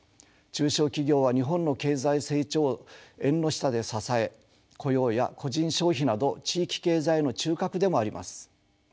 中小企業は日本の経済成長を縁の下で支え雇用や個人消費など地域経済の中核でもあります。